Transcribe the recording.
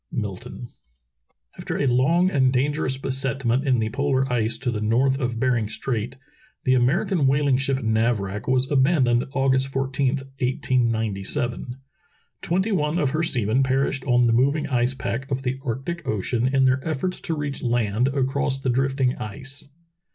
— Milton. AFTER a long and dangerous besetment in the r\ polar ice to the north of Bering Strait, the American whaling ship Navrach was abandoned August 14, 1897. Twenty one of her seamen perished on the moving ice pack of the Arctic Ocean in their efforts to reach land across the drifting ice.